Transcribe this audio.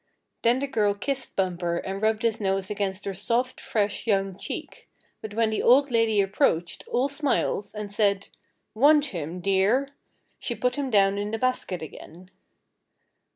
Then the girl kissed Bumper and rubbed his nose against her soft, fresh young cheek; but when the old lady approached, all smiles, and said, "Want him, dear?" she put him down in the basket again.